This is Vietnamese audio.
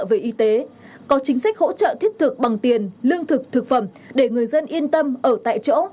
về y tế có chính sách hỗ trợ thiết thực bằng tiền lương thực thực phẩm để người dân yên tâm ở tại chỗ